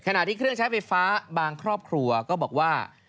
ขณะที่เครื่องใช้ไฟฟ้าบางครอบครัวก็บอกว่า